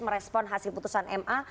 merespon hasil putusan ma